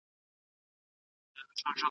کښېناستل وکړه!؟